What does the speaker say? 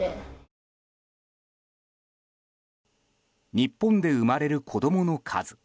日本で生まれる子供の数。